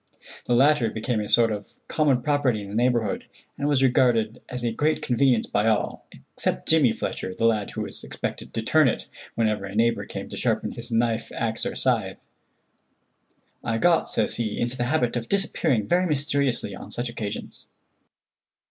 The latter became a sort of common property in the neighborhood, and was regarded as a great convenience by all except Jimmy Fletcher, the lad who was expected to turn it whenever a neighbor came to sharpen his knife, axe, or scythe. "I got," says he, "into the habit of disappearing very mysteriously on such occasions."